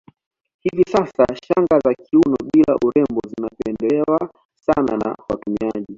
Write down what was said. Hivi sasa shanga za kioo bila urembe zinapendelewa sana na watumiaji